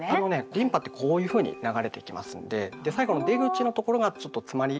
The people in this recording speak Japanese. リンパってこういうふうに流れていきますんで最後の出口のところがちょっと詰まりやすいんですよね。